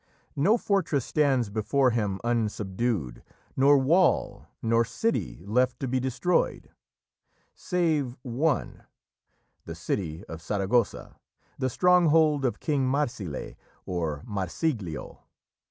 "No fortress stands before him unsubdued, Nor wall, nor city left to be destroyed," save one the city of Saragossa, the stronghold of King Marsile or Marsiglio.